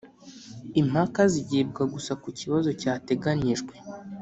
impaka zigibwa gusa ku kibazo cyateganyijwe